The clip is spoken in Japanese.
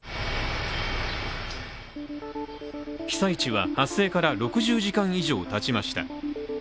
被災地は発生から６０時間以上たちました。